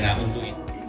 nah untuk itu